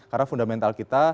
karena fundamental kita